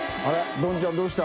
どんちゃんどうした？